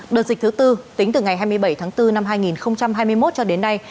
đợt dịch thứ tư tính từ ngày hai mươi bảy tháng bốn năm hai nghìn hai mươi một cho đến nay